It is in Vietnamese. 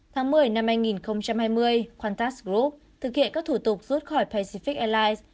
tháng một mươi năm hai nghìn hai mươi khoantas group thực hiện các thủ tục rút khỏi pacific airlines